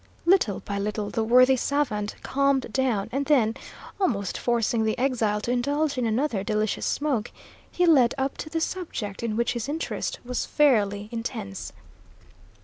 Little by little, the worthy savant calmed down, and then, almost forcing the exile to indulge in another delicious smoke, he led up to the subject in which his interest was fairly intense.